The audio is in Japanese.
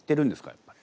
やっぱり。